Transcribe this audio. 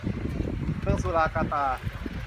เมืองสุราการ์ตา